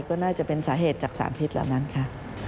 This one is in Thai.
ก็น่าจะเป็นสาเหตุจากสารพิษเหล่านั้นค่ะ